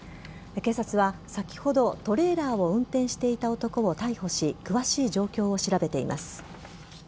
警察は先ほどトレーラーを運転していた男を逮捕し詳しい状況を調べています。